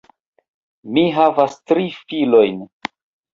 Mi havas tri filojn.